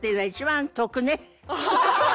ハハハハ！